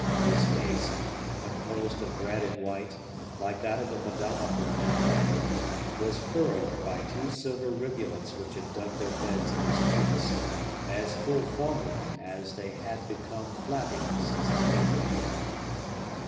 His face, composed of red and white, like that of the Madonna of Vandyke, was furrowed by two silver rivulets which had dug their beds in his cheeks, as full formerly as they had become flabby since his grief began.